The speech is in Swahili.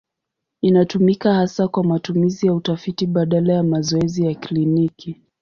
Inatumika hasa kwa matumizi ya utafiti badala ya mazoezi ya kliniki.